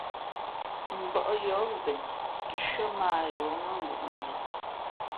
Mbᾱʼ yǒh ven nshʉ́ά mά ā yǒh nά ngǔʼnzᾱ.